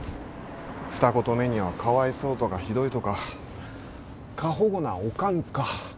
二言目にはかわいそうとかひどいとか過保護なオカンか。